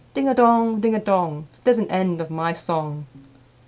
Ding a dong, ding a dong! There's an end of my song.